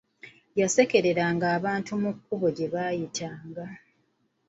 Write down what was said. Yasekereranga abantu mu kkubo gye baayitanga.